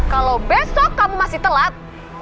kalau besok kamu masih telat